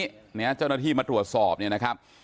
เจ้าหน้าที่มาตรวจสอบเนี่ยนะครับ